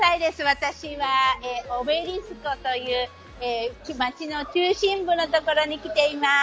私は、オベリスクという街の中心部の所に来ています。